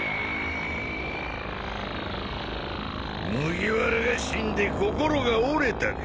麦わらが死んで心が折れたか。